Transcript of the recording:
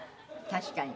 「確かに」？